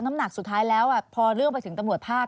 น้ำหนักสุดท้ายแล้วพอเรื่องไปถึงตำรวจภาค